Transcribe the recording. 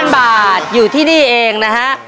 ๐บาทอยู่ที่นี่เองนะฮะ